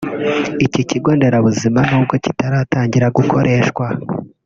Iki kigo nderabuzima n’ubwo kitaratangira gukoreshwa